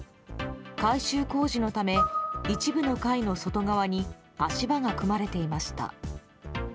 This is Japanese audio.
改修工事のため一部の階の外側に足場が組まれていました。